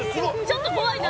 「ちょっと怖いな」